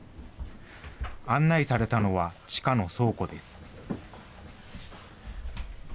案内されたのは地下の倉庫です。